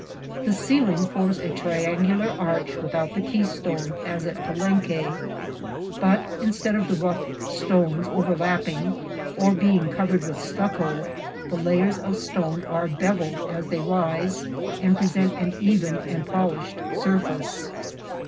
The ceiling forms a triangular arch with out the keystone, as at Palenque /~\; but, instead of the rough stones overlapping or being covered with stucco, the layers of stone are bevilled as they rise, and present an even and polished surface.